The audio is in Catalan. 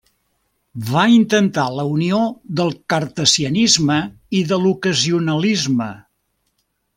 Va intentar la unió del cartesianisme i de l'ocasionalisme.